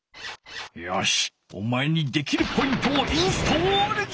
よしおまえにできるポイントをインストールじゃ！